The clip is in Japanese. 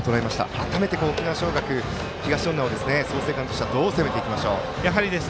改めて、沖縄尚学、東恩納を創成館としてはどう攻めていきましょう。